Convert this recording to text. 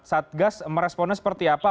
satgas meresponnya seperti apa